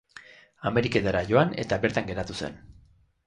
Ameriketara joan eta bertan geratu zen.